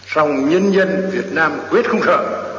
xong nhân dân việt nam quyết không sợ